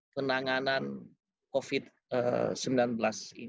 penanganan covid sembilan belas ini